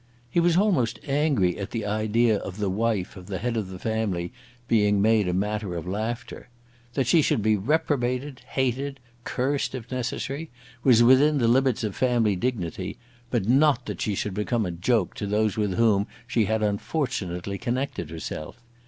He was almost angry at the idea of the wife of the head of the family being made a matter of laughter. That she should be reprobated, hated, cursed, if necessary, was within the limits of family dignity; but not that she should become a joke to those with whom she had unfortunately connected herself.